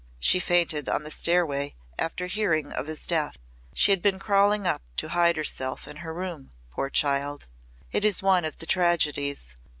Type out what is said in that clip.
She fainted on the stairway after hearing of his death. She had been crawling up to hide herself in her room, poor child! It is one of the tragedies.